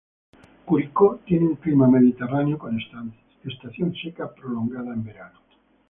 Curicó tiene un clima mediterráneo con estación seca prolongada en verano.